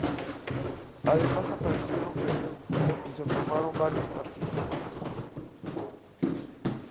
Además, aparecieron muchos periódicos y se formaron varios partidos políticos.